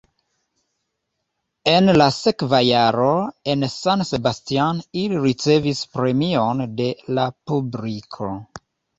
En la sekva jaro en San Sebastian ili ricevis premion de la publiko.